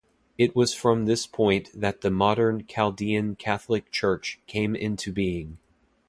It was from this point that the modern Chaldean Catholic Church came into being.